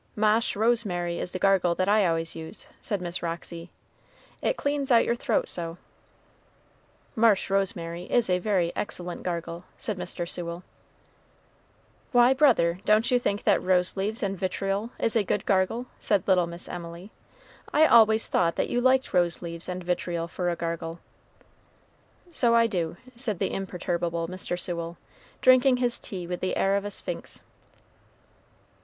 "Ma'sh rosemary is the gargle that I always use," said Miss Roxy; "it cleans out your throat so." "Marsh rosemary is a very excellent gargle," said Mr. Sewell. "Why, brother, don't you think that rose leaves and vitriol is a good gargle?" said little Miss Emily; "I always thought that you liked rose leaves and vitriol for a gargle." "So I do," said the imperturbable Mr. Sewell, drinking his tea with the air of a sphinx.